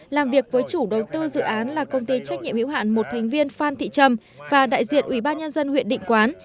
làm việc với chủ đầu tư dự án là công ty trách nhiệm hữu hạn một thành viên phan thị trâm và đại diện ủy ban nhân dân huyện định quán